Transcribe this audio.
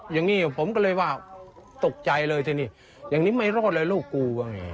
อย่างนี้ผมก็เลยว่าตกใจเลยทีนี้อย่างนี้ไม่รอดเลยลูกกูว่าไง